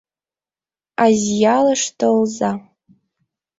Азъялыш толза!